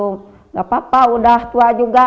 tidak apa apa udah tua juga